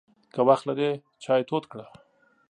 که وخت لرې، چای تود کړه!